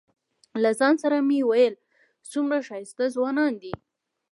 له ځان سره مې ویل څومره ښایسته ځوانان دي.